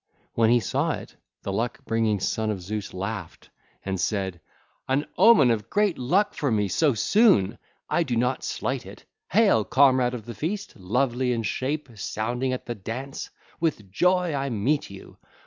When he saw it, the luck bringing son of Zeus laughed and said: (ll. 30 38) 'An omen of great luck for me so soon! I do not slight it. Hail, comrade of the feast, lovely in shape, sounding at the dance! With joy I meet you!